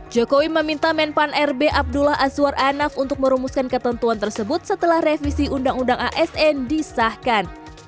jokowi meminta menpan rb abdullah azwar anaf untuk merumuskan ketentuan tersebut setelah revisi undang undang asn disahkan